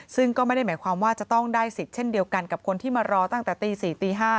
ซึ่งก็ไม่ได้หมายความว่าจะต้องได้สิทธิ์เช่นเดียวกันกับคนที่มารอตั้งแต่ตี๔ตี๕